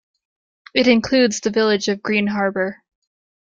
It includes the village of Green Harbor.